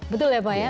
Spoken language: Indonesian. betul ya pak ya